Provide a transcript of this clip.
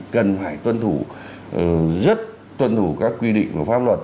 cần phải tuân thủ rất tuân thủ các quy định của pháp luật